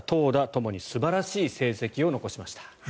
ともに素晴らしい成績を残しました。